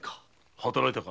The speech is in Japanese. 働いたか？